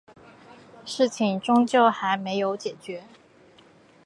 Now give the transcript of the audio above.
事情终究还没解决